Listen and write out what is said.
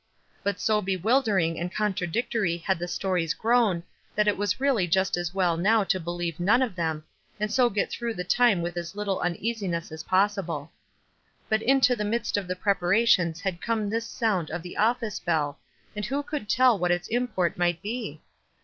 But so bewildering and contradictory had the stories grown that it was really just as well now to believe none of them, and so get through the time with as little un easiness as possible. But into the midst of the preparations had come this sound of the office bell, and who could tell what its import might be?